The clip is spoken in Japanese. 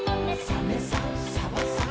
「サメさんサバさん